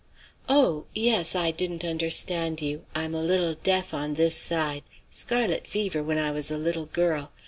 Oh! yes. I didn't understand you; I'm a little deaf on this side; scarlet fever when I was a little girl.